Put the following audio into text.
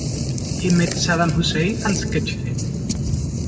He met Saddam Hussein and sketched him.